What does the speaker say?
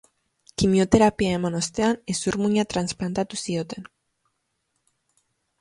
Kimioterapia eman ostean, hezur-muina transplantatu zioten.